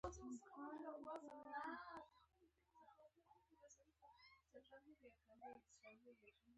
د خوګ غوښه واردول منع دي